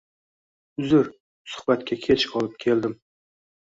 - Uzr, suhbatga kech qolib keldim.